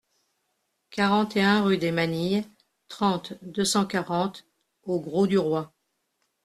quarante et un rue des Manilles, trente, deux cent quarante au Grau-du-Roi